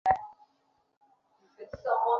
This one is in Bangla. আর আমাকে বলল তার সাথে ওখানে যেতে।